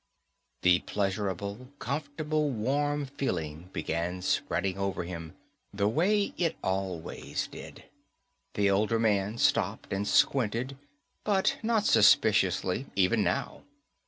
The pleasurable, comfortable, warm feeling began spreading over him, the way it always did. The older man stopped and squinted, but not suspiciously, even now.